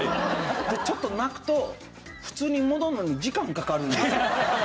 ちょっと泣くと普通に戻るのに時間かかるんです。